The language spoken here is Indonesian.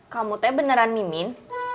kamu beneran mimin